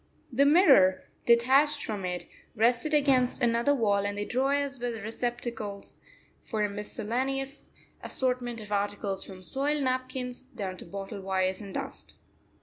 The mirror, detached from it, rested against another wall, and the drawers were receptacles for a miscellaneous assortment of articles from soiled napkins down to bottle wires and dust.